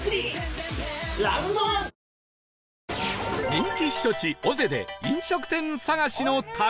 人気避暑地尾瀬で飲食店探しの旅